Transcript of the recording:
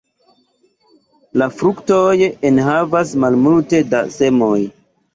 La fruktoj enhavas malmulte da semoj.